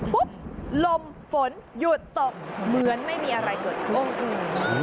ลมฝนหยุดตกเหมือนไม่มีอะไรเกิดขึ้น